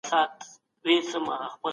تل ځلیدونکی او تل پاتې.